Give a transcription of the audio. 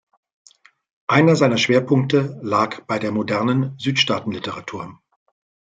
Einer seiner Schwerpunkte lag bei der modernen Südstaaten-Literatur.